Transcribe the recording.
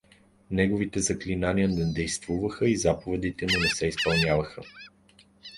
Неговите заклинания не действуваха и заповедите му не се изпълнявах.